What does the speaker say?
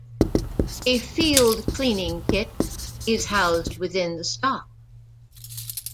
A field cleaning kit is housed within the stock.